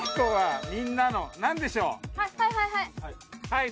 はい！